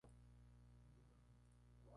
Ozuna pasó un año con los Rockies de Colorado.